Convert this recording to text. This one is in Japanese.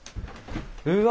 うわ！